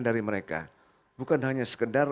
dari mereka bukan hanya sekedar